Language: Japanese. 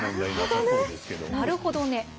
なるほどね。